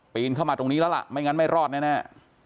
เข้ามาตรงนี้แล้วล่ะไม่งั้นไม่รอดแน่